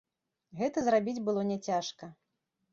Гэта зрабіць было няцяжка.